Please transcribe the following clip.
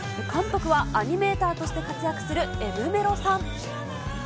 監督は、アニメーターとして活躍するえむめろさん。